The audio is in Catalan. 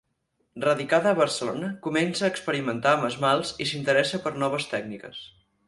Radicada a Barcelona, comença a experimentar amb esmalts i s'interessa per noves tècniques.